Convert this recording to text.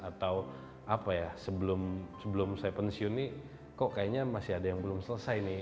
atau apa ya sebelum saya pensiun nih kok kayaknya masih ada yang belum selesai nih